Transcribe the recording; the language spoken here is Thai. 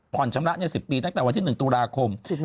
ชำระ๑๐ปีตั้งแต่วันที่๑ตุลาคม